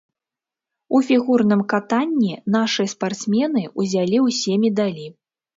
У фігурным катанні нашы спартсмены ўзялі ўсе медалі.